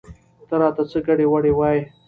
ته راته څه ګډې وګډې وايې؟